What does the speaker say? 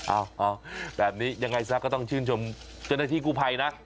อ้าวอ้าวแบบนี้ยังไงซักก็ต้องชื่นชมจนได้ที่กูภัยนะ